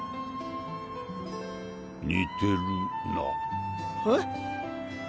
似てるな。え？